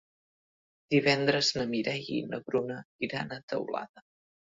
Divendres na Mireia i na Bruna iran a Teulada.